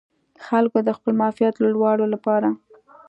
خلکو د خپل معافیت لوړولو لپاره